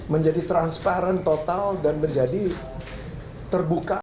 menjadi transparan total dan menjadi terbuka